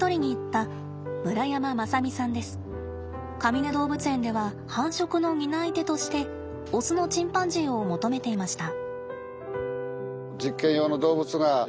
かみね動物園では繁殖の担い手としてオスのチンパンジーを求めていました。